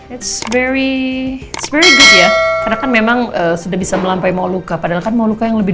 it's very good ya karena kan memang sudah bisa melampai molucca padahal kan molucca yang lebih